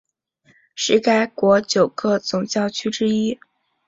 是该国九个总教区之一。